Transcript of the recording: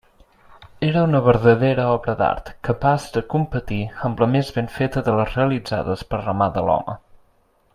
Era una verdadera obra d'art, capaç de competir amb la més ben feta de les realitzades per la mà de l'home.